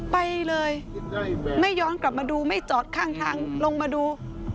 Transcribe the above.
ไปเลยไม่ย้อนกลับมาดูไม่จอดข้างทางลงมาดู